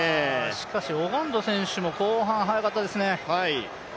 しかしオガンド選手も後半速かったですね。